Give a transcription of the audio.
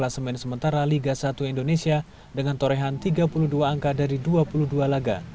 lasemen sementara liga satu indonesia dengan torehan tiga puluh dua angka dari dua puluh dua laga